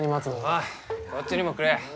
おいこっちにもくれ。